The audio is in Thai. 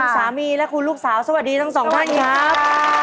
สามีและคุณลูกสาวสวัสดีทั้งสองท่านครับ